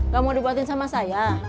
gak mau dibuatin sama saya